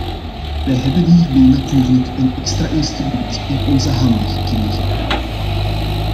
Wij hebben hiermee natuurlijk een extra instrument in onze handen gekregen.